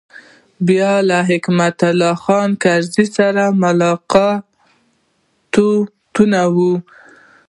بیا له حکمت الله خان کرزي سره ملاقاتونه و.